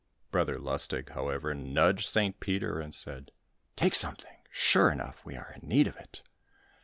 Brother Lustig, however, nudged St. Peter, and said, "Take something; sure enough we are in need of it."